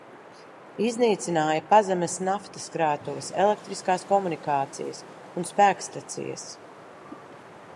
Iznīcināja pazemes naftas krātuves, elektriskās komunikācijas un spēkstacijas.